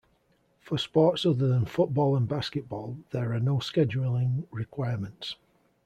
For sports other than football and basketball there are no scheduling requirements.